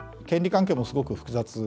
権利関係もすごく複雑。